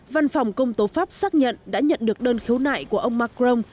văn phòng công tố pháp xác nhận đã nhận được đơn khiếu nại của ông macron